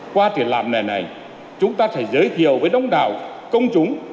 qua triển lãm này này chúng ta sẽ giới thiệu với đông đảo công chúng